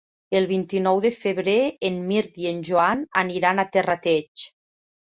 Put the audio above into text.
El vint-i-nou de febrer en Mirt i en Joan aniran a Terrateig.